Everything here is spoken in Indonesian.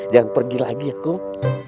jangan pergi lagi ya kok